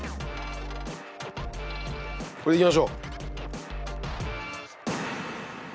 これでいきましょう！